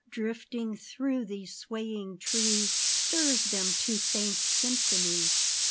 Drifting through these swaying trees, Stirs them to faint symphonies.